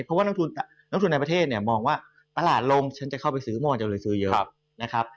เพราะว่านักทุนในประเทศมองว่าตลาดลงฉันจะเข้าไปซื้อโมงจะเลยซื้อเยอะ